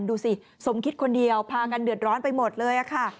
ดูสิสมคิดคนเดียวพากันเดือดร้อนไปหมดเลยค่ะ